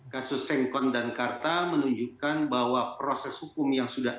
kasus sengkon dan karta menunjukkan bahwa proses hukum yang sudah